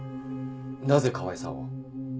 なぜ川井さんを？